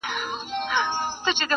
اوس نو وکئ قضاوت ګنا دچا ده.